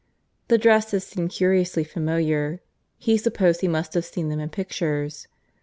The dresses seemed curiously familiar; he supposed he must have seen them in pictures.